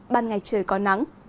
ban ngày trời còn nắng